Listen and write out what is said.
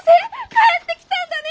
帰ってきたんだね！